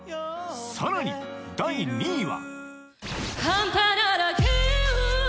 さらに第２位は